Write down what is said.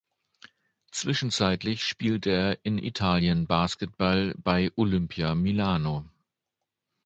Zwischenzeitlich spielte er in Italien Basketball bei Olimpia Milano.